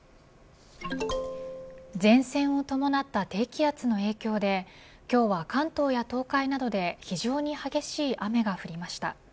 前線を伴った低気圧の影響で今日は関東や東海などで非常に激しい雨が降りました。